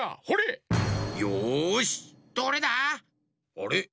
あれ？